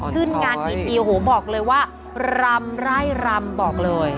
ขึ้นงานกี่ทีโอ้โหบอกเลยว่ารำไร่รำบอกเลย